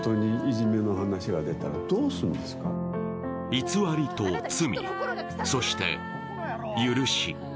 偽りと罪、そして許し。